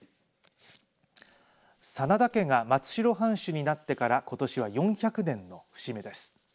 真田家が松代藩主になってからことしは４００年の節目です。